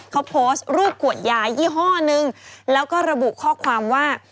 เขาโพสต์รูปขวดยายี่ห้อนึงแล้วก็ระบุข้อความว่า